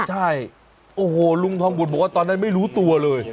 ใช่โอ้โหลุงทองบุตรบอกว่าตอนนั้นไม่รู้ตัวเลย